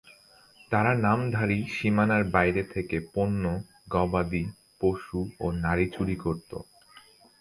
তারা নামধারী সীমানার বাইরে থেকে পণ্য, গবাদি পশু ও নারী চুরি করত।